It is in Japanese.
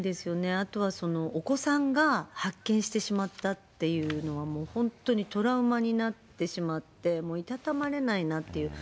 あとはお子さんが発見してしまったっていうのは、もう本当にトラウマになってしまって、もういたたまれないなっていう。